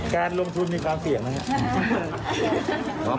การลงทุนมีความเสี่ยงไหมครับ